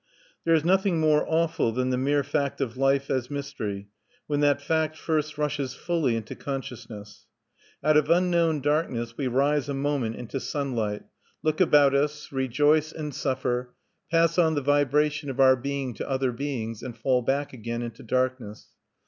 There is nothing more awful than the mere fact of life as mystery when that fact first rushes fully into consciousness. Out of unknown darkness we rise a moment into sun light, look about us, rejoice and suffer, pass on the vibration of our being to other beings, and fall back again into darkness.